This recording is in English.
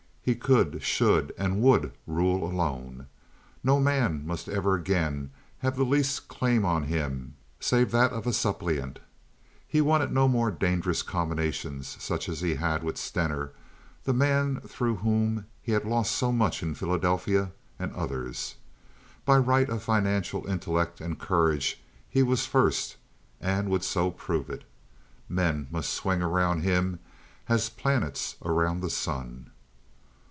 He could, should, and would rule alone. No man must ever again have the least claim on him save that of a suppliant. He wanted no more dangerous combinations such as he had had with Stener, the man through whom he had lost so much in Philadelphia, and others. By right of financial intellect and courage he was first, and would so prove it. Men must swing around him as planets around the sun.